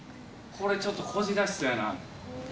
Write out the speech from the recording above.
これちょっと、こじらしそうやな。